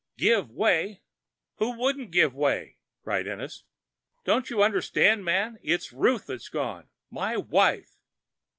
"Give way? Who wouldn't give way?" cried Ennis. "Don't you understand, man, it's Ruth that's gone my wife!